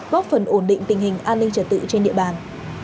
góp phần ổn định tình hình an ninh trật tự trên địa bàn